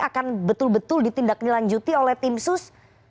akan betul betul ditindak nilanjuti oleh tim sus